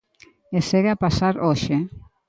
E segue a pasar hoxe.